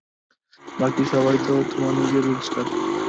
বাকি সবই তো তোমার নিজের রোজগার।